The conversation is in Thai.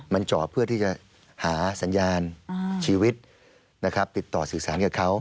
มันเจาะเพื่อที่จะหาสัญญาณชีวิตปิดต่อสื่อสารกับเขา